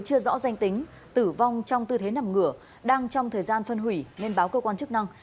chưa rõ danh tính tử vong trong tư thế nằm ngửa đang trong thời gian phân hủy nên báo cơ quan chức năng